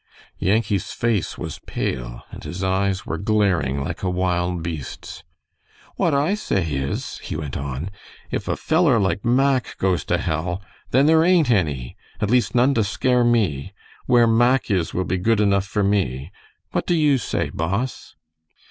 Yankee's face was pale, and his eyes were glaring like a wild beast's. "What I say is," he went on, "if a feller like Mack goes to hell, then there ain't any. At least none to scare me. Where Mack is will be good enough for me. What do you say, boss?"